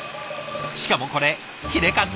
しかもこれヒレカツ。